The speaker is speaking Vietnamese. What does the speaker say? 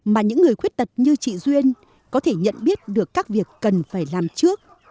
mà những người khuyết tật như chị duyên có thể nhận biết được các việc cần phải làm trước